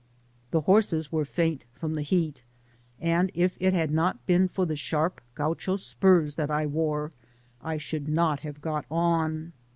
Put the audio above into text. The horses were faint from the heat, and if it had not been for the sharp Gaucho spurs that I wore I should not have got on.